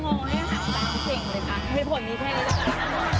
เย็นเช่งเลยค่ะเป็นผลมีแค่ราชการ